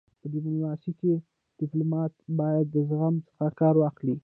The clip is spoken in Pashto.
په ډيپلوماسی کي ډيپلومات باید د زغم څخه کار واخلي.